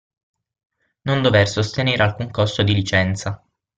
Non dover sostenere alcun costo di licenza.